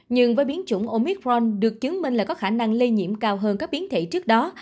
nhưng với biến chủng omit fron được chứng minh là có khả năng lây nhiễm cao hơn các biến thể trước đó